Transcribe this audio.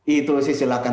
itu sih silakan